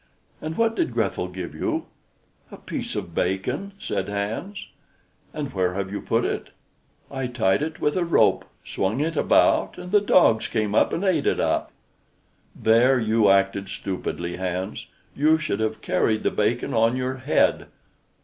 "And what did Grethel give you?" "A piece of bacon," said Hans. "And where have you put it?" "I tied it with a rope, swung it about, and the dogs came and ate it up." "There you acted stupidly, Hans; you should have carried the bacon on your head."